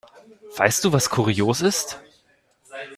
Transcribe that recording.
Weißt du, was kurios ist?